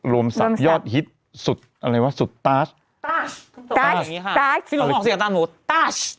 โรมศัพท์ยอดฮิตสุดอะไรวะสุดตาชตาชตาชตาชที่หนุ่มออกเสียงตามหนูตาช